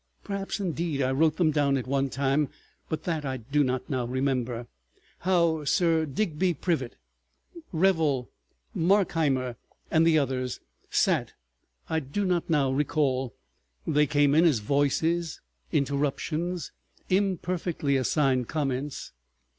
Perhaps, indeed, I wrote them down at the time, but that I do not now remember. How Sir Digby Privet, Revel, Markheimer, and the others sat I do not now recall; they came in as voices, interruptions, imperfectly assigned comments.